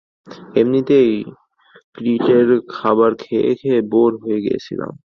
এমনিতেই ক্রিটের খাবার খেয়ে খেয়ে বোর হয়ে গিয়েছিলাম।